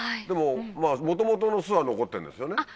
でもまぁ元々の巣は残ってんですよね？